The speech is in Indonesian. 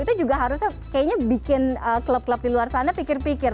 itu juga harusnya kayaknya bikin klub klub di luar sana pikir pikir